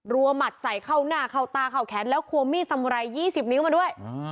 หมัดใส่เข้าหน้าเข้าตาเข้าแขนแล้วควงมีดสมุไร๒๐นิ้วมาด้วย